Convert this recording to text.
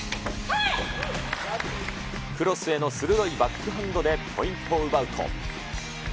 クロスへの鋭いバックハンドでポイントを奪うと。